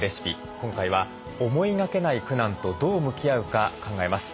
今回は思いがけない苦難とどう向き合うか考えます。